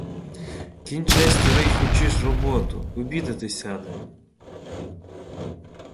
Кінчай, старий, хутчіш роботу, обідати сядемо.